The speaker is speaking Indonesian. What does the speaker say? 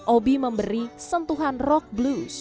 obi memberi sentuhan rock blues